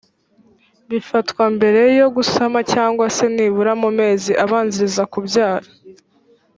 bifatwa mbereyo gusama cyangwa se nibura mu mezi abanziriza kubyara.